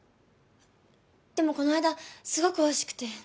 でもこの間すごくおいしくて。